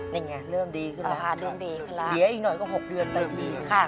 นี่ไงเริ่มดีขึ้นแล้วค่ะเดี๋ยวอีกหน่อยก็๖เดือนไปที